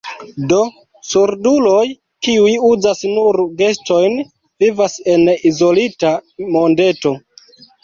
Do, surduloj, kiuj uzas nur gestojn, vivas en izolita mondeto.